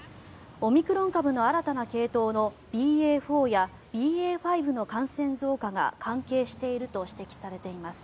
オミクロン株の新たな系統のＢＡ．４やＢＡ．５の感染増加が関係していると指摘されています。